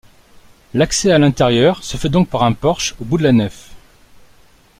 L'accès à l'intérieur se fait donc par un porche au bout de la nef.